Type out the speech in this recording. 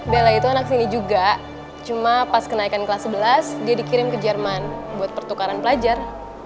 bella itu anak sini juga cuma pas kenaikan kelas sebelas dia dikirim ke jerman buat pertukaran pelajar